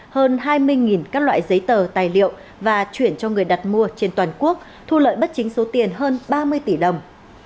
hơn hai mươi các loại giấy tờ tài liệu và chuyển cho người đặt mua trên toàn quốc thu lợi bất chính số tiền hơn ba mươi tỷ đồng